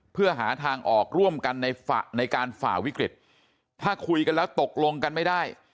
เพื่อหาทางออกร่วมกันในการฝ่าวิกฤตถ้าคุยกันแล้วตกลงกันไม่ได้